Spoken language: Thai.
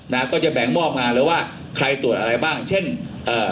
นะก็จะแบ่งมอบงานเลยว่าใครตรวจอะไรบ้างเช่นเอ่อ